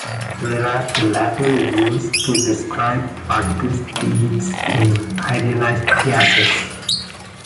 Whereas, the latter is used to describe particle speeds in idealized gases.